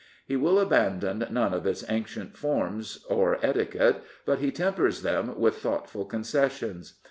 He will abandon none of its ancient forms or etiquette, but he tempers them with thoughtful concessions.